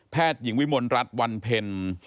แพทย์หญิงวิมลรัฐวันเพ็ญ